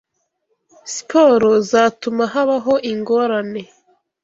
sport zatuma habaho ingorane